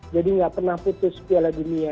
jadi tidak pernah putus piala dunia